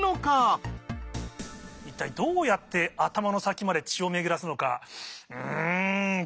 一体どうやって頭の先まで血を巡らすのか。